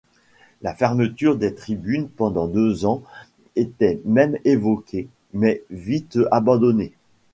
La fermeture des tribunes pendant deux ans était même évoquée, mais vite abandonnée.